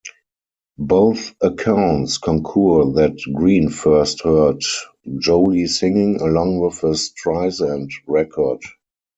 Both accounts concur that Green first heard Joli singing along with a Streisand record.